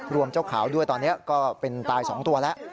เจ้าขาวด้วยตอนนี้ก็เป็นตาย๒ตัวแล้ว